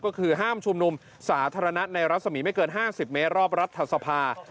ก็คือห้ามชุมนุมสาธารณะในรัศมีไม่เกิน๕๐เมตรรอบรัฐสภา